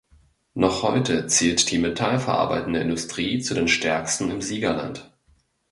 Noch heute zählt die metallverarbeitende Industrie zu den Stärksten im Siegerland.